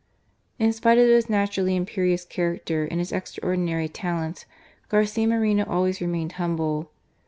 In spite of his naturally imperious character and his extraordinary talents, Garcia Moreno always remained humble.